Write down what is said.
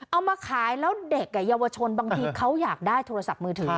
เอามาขายแล้วเด็กเยาวชนบางทีเขาอยากได้โทรศัพท์มือถือ